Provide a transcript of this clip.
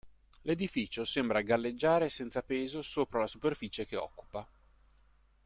L'edificio sembra galleggiare senza peso sopra la superficie che occupa.